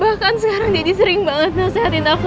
bahkan sekarang jadi sering banget nasihatin aku